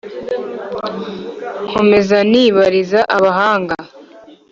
nkomeza nibariza abahanga,